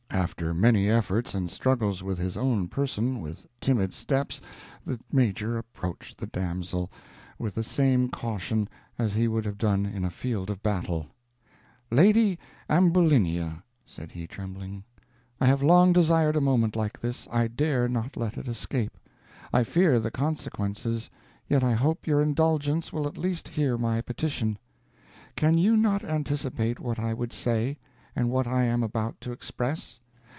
After many efforts and struggles with his own person, with timid steps the Major approached the damsel, with the same caution as he would have done in a field of battle. "Lady Ambulinia," said he, trembling, "I have long desired a moment like this. I dare not let it escape. I fear the consequences; yet I hope your indulgence will at least hear my petition. Can you not anticipate what I would say, and what I am about to express?